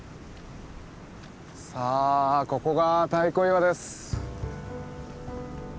さあここが太鼓岩です。